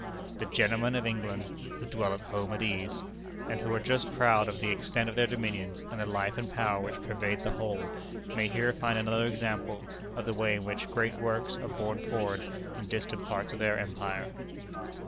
The Gentlemen of England, Who dwell at home at ease, and who are justly proud of the extent of their dominions, and the life and power which pervade the whole, may here find another example of the way in which great works are borne forward in distant parts of their empire.